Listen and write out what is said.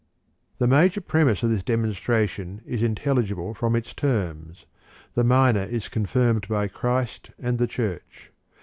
3. The major premise of this demonstration is intelligible from its terms; the minor is con firmed by Christ and the Church.